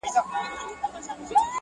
ما یې له منبره د بلال ږغ اورېدلی دی-